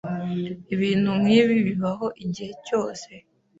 Ibintu nkibi bibaho igihe cyose.